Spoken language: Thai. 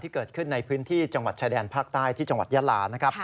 เกิดขึ้นในพื้นที่จังหวัดชายแดนภาคใต้ที่จังหวัดยาลานะครับ